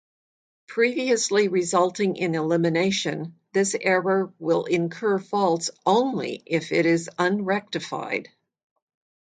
Previously resulting in elimination this error will incur faults only if it is unrectified.